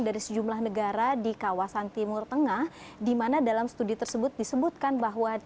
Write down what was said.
dari sejumlah negara di kawasan timur tengah di mana dalam studi tersebut disebutkan bahwa